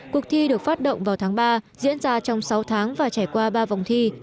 cuộc thi được phát động vào tháng ba diễn ra trong sáu tháng và trải qua ba vòng thi